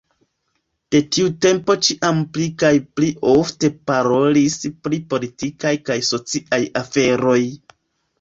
De tiu tempo ĉiam pli kaj pli ofte parolis pri politikaj kaj sociaj aferoj.